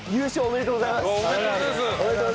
おめでとうございます。